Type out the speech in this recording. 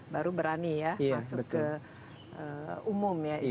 baru berani masuk ke umum